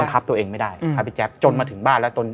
บังคับตัวเองไม่ได้อืมถ้าพี่แจ๊บจนมาถึงบ้านแล้วต้น